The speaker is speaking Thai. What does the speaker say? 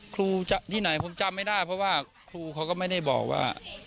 ครูที่ไหนผมจำไม่ได้เพราะว่าครูเขาก็ไม่ได้บอกว่า